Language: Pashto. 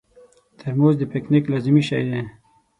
ترموز د پکنیک لازمي شی دی.